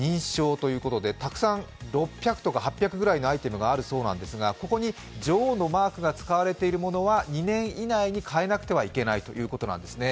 たくさん、６００とか８００くらいのアイテムがあるそうですがここに女王のマークが使われているものは２年以内に変えなくてはいけないということなんですね。